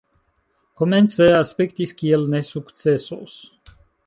Komence aspektis kiel ne sukcesos